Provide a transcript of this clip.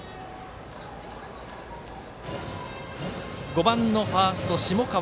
５番のファースト、下川。